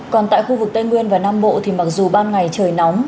còn tại khu vực tây nguyên và nam bộ thì mặc dù ban ngày trời nóng